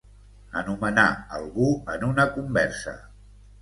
Anomenar algú en una conversa.